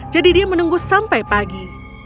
jadi dia menunggu sampai pagi